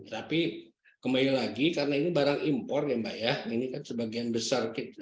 tapi kembali lagi karena ini barang impor ya mbak ya ini kan sebagian besar kita